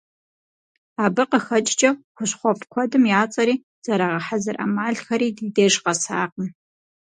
Абы къыхэкӏкӏэ, хущхъуэфӏ куэдым я цӏэри, зэрагъэхьэзыр ӏэмалхэри ди деж къэсакъым.